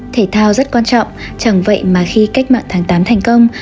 thể thao rất quan trọng chẳng vậy mà khi cách mạng tháng tám thành công